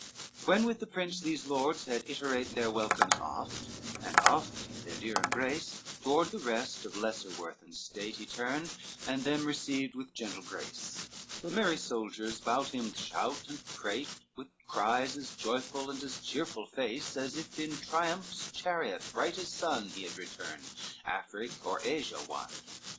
V When with the prince these lords had iterate Their welcomes oft, and oft their dear embrace, Toward the rest of lesser worth and state, He turned, and them received with gentle grace; The merry soldiers bout him shout and prate, With cries as joyful and as cheerful face As if in triumph's chariot bright as sun, He had returned Afric or Asia won.